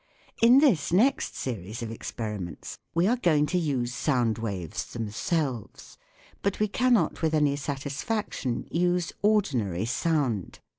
In this next series of experiments we are going to use sound waves themselves ; but we cannot with any satisfaction use ordinary sound.